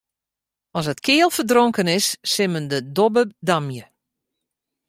As it keal ferdronken is, sil men de dobbe damje.